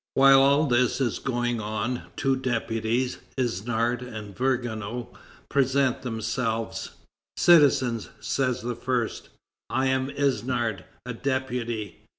While all this is going on, two deputies, Isnard and Vergniaud, present themselves. "Citizens," says the first, "I am Isnard, a deputy.